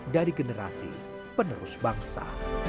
dari generasi penerus bangsa